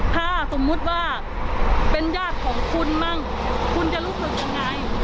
ถ้าสมมุติว่าเป็นญาติของคุณมั่งคุณจะรู้สึกยังไง